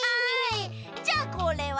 じゃあこれは？